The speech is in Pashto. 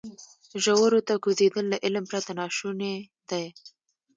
ژورو ته کوزېدل له علم پرته ناشونی دی.